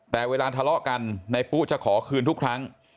แต่เวลาทะเลาะกันในปุ๊จะขอคืนทุกครั้ง